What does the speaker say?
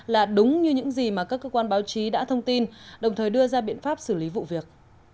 là đúng như những gì mà các cơ quan báo chí đã thông tin đồng thời đưa ra biện pháp xử lý vụ việc